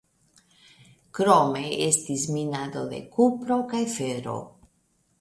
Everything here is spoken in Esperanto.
Krome estis minado de kupro kaj fero.